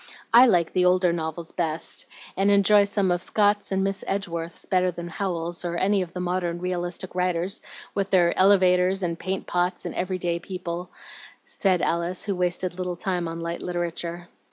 I like the older novels best, and enjoy some of Scott's and Miss Edgeworth's better than Howells's, or any of the modern realistic writers, with their elevators, and paint pots, and every day people," said Alice, who wasted little time on light literature.